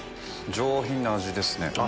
上品な味ですね。